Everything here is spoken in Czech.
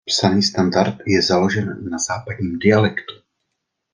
Psaný standard je založen na západním dialektu.